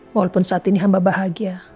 walaupun saat ini hamba bahagia